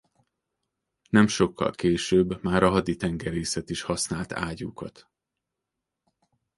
Nem sokkal később már a haditengerészet is használt ágyúkat.